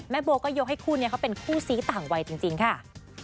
โบก็ยกให้คู่นี้เขาเป็นคู่ซี้ต่างวัยจริงค่ะ